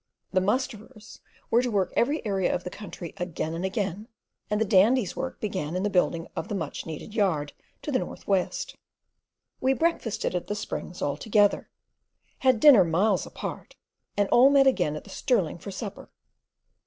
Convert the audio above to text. The musterers were to work every area of country again and again, and the Dandy's work began in the building of the much needed yard to the north west. We breakfasted at the Springs all together, had dinner miles apart, and all met again at the Stirling for supper.